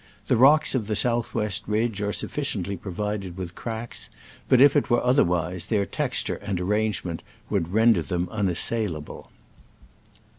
The rocks of the south west ridge are sufficiently pro vided with cracks, but if it were other wise, their texture and arrangement would render them unassailable.